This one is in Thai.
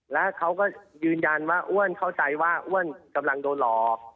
แล้วเขาก็ยืนยันว่าอ้วนเข้าใจว่าอ้วนกำลังโดนหลอก